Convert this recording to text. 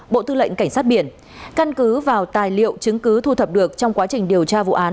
bộ tư lệnh cảnh sát biển căn cứ vào tài liệu chứng cứ thu thập được trong quá trình điều tra vụ án